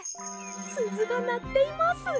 すずがなっています！